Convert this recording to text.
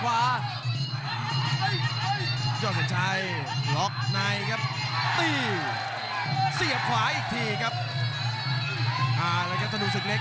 อ่าแล้วกับธนูศึกเล็ก